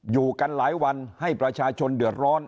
อยู่กันหลายวันให้ประชาชนเดือดร้อน